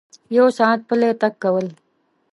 یو ساعت پلی تګ کول